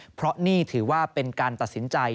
เพราะนี่ถือว่าเป็นการตัดสินใจ